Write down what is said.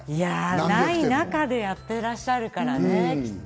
ない中でやってらっしゃるからね、きっと。